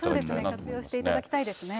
そうですね、活用していただきたいですね。